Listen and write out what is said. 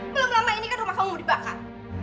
belum lama ini kan rumah kamu dibakar